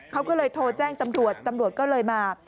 เขาก็เลยโทรแจ้งตำรวจตำรวจก็เลยมา